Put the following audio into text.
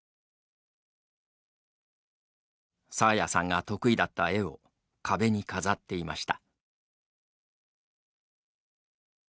爽彩さんが得意だった絵を壁に飾っていました。